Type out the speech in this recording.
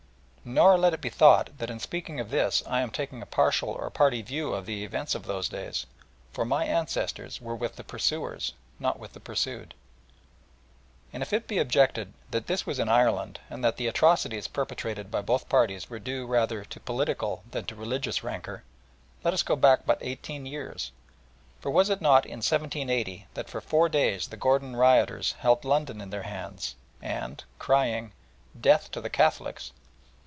Nor let it be thought that in speaking of this I am taking a partial or party view of the events of those days, for my ancestors were with the pursuers, not with the pursued. And if it be objected that this was in Ireland, and that the atrocities perpetrated by both parties were due rather to political than to religious rancour, let us go back but eighteen years, for was it not in 1780 that for four days the Gordon rioters held London in their hands, and, crying "Death to the Catholics!"